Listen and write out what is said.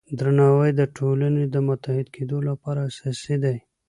درناوی د ټولنې د متحد کیدو لپاره اساسي دی.